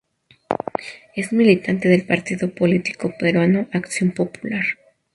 Es militante del partido político peruano Acción Popular.